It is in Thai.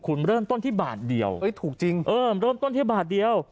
คุณเริ่มต้นที่บาทเดียวถูกจริงเออเริ่มต้นแค่บาทเดียว